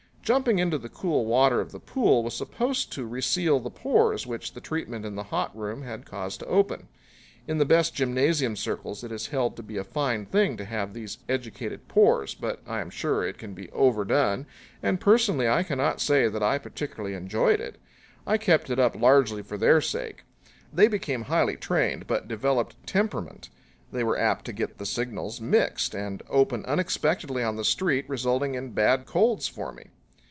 Jumping into the cool water of the pool was supposed to reseal the pores which the treatment in the hot room had caused to open. In the best gymnasium circles it is held to be a fine thing to have these educated pores, but I am sure it can be overdone, and personally I cannot say that I particularly enjoyed it. I kept it up largely for their sake. They became highly trained, but developed temperament. They were apt to get the signals mixed and open unexpectedly on the street, resulting in bad colds for me.